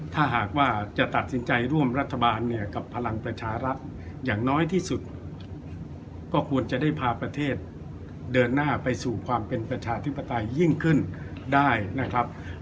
ถ้าหากว่าจะตัดสินใจร่วมรัฐบาลเนี่ยกับพลังประชารัฐอย่างน้อยที่สุดก็ควรจะได้พาประเทศเดินหน้าไปสู่ความเป็นประชาธิปไตยยิ่งขึ้นได้นะครับ